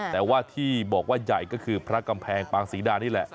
แต่ว่าที่บอกว่าใหญ่ก็คือพระกำแพงปางศรีดานี่แหละ